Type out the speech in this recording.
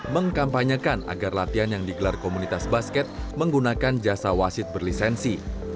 mengkampanyekan agar latihan yang digelar komunitas basket menggunakan jasa wasit berlisensi